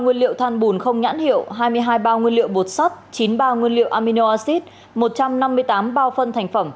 nguyên liệu than bùn không nhãn hiệu hai mươi hai bao nguyên liệu bột sắt chín mươi ba nguyên liệu amino acid một trăm năm mươi tám bao phân thành phẩm